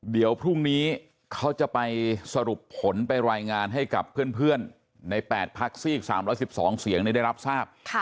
เดี๋ยวพรุ่งนี้เขาจะไปสรุปผลไปรายงานให้กับเพื่อนใน๘พักซีก๓๑๒เสียงได้รับทราบ